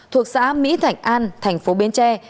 thuộc xã mỹ thảnh an thành phố bến tre